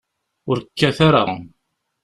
Ur kkat ara.